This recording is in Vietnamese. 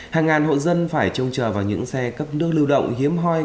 hàng ngàn hộ dân phải trông chờ vào những xe cấp nước lưu động hiếm hoi